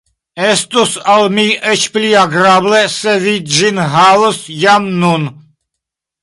Estus al mi eĉ pli agrable, se vi ĝin havus jam nun.